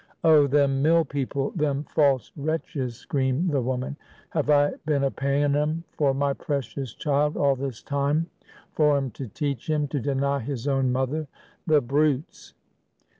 "Oh, them mill people, them false wretches!" screamed the woman. "Have I been a paying 'em for my precious child, all this time, for 'em to teach him to deny his own mother! The brutes!"